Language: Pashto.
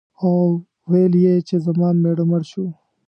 او ویل یې چې زما مېړه مړ شو.